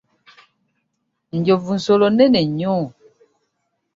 Enjovu nsolo nnene nnyo.